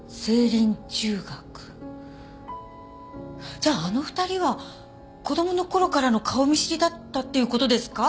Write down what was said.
じゃああの二人は子供のころからの顔見知りだったっていうことですか？